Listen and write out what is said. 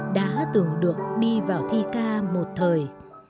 đã tưởng được đi vào thi ca một thời